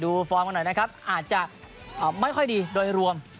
ฟอร์มกันหน่อยนะครับอาจจะไม่ค่อยดีโดยรวม